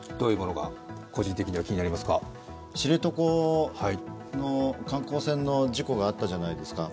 知床の観光船の事故があったじゃないですか。